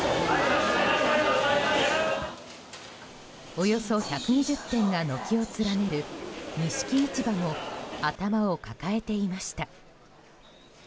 およそ１２０店が軒を連ねる錦市場も頭を抱えていました。